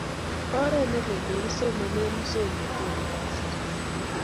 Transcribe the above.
Oret ne lele nikisomane musongnotet nebo kasari